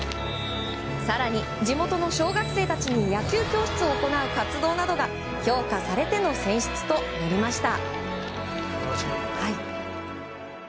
更に地元の小学生たちに野球教室を行う活動などが評価されての選出となりました。